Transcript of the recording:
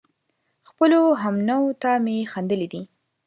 خپلو همنوعو ته مې خندلي دي